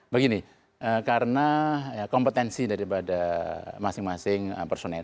begini karena kompetensi daripada masing masing personel